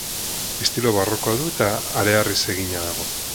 Estilo barrokoa du eta hareharriz egina dago.